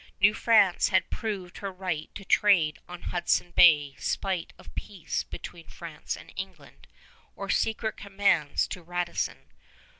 New France had proved her right to trade on Hudson Bay spite of peace between France and England, or secret commands to Radisson.